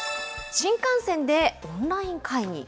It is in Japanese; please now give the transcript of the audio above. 新幹線でオンライン会議。